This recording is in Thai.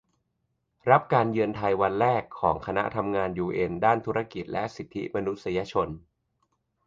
รับการเยือนไทยวันแรกของคณะทำงานยูเอ็นด้านธุรกิจและสิทธิมนุษยชน